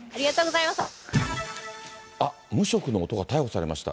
あっ、無職の男が逮捕されました。